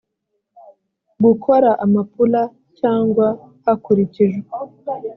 gukora amapula cyangwa hakurikijwe